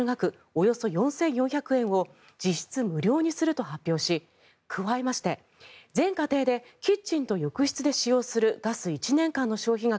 およそ４４００円を実質無料にすると発表し加えまして、全家庭でキッチンと浴室で使用するガス１年間の消費額